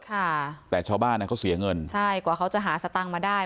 ค่ะแต่ชาวบ้านอ่ะเขาเสียเงินใช่กว่าเขาจะหาสตางค์มาได้